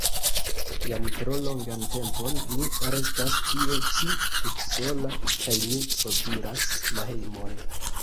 Jam tro longan tempon mi restas tie ĉi tutsola, kaj mi sopiras la hejmon.”